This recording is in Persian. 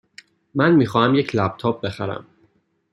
من می خواهم یک لپ تاپ بخرم.